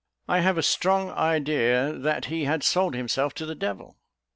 I have a strong idea that he had sold himself to the devil.